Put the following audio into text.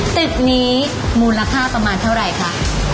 ตึกนี้มูลค่าประมาณเท่าไหร่คะ